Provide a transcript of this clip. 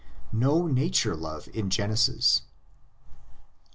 NO NATURE LOVE IN GENESIS.